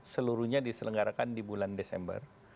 seluruhnya diselenggarakan di bulan desember